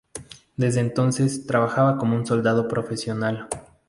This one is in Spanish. Desde entonces, trabajaba como un soldado profesional.